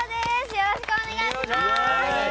よろしくお願いします。